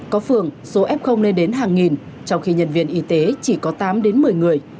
có phường số f lên đến hàng nghìn trong khi nhân viên y tế chỉ có tám đến một mươi người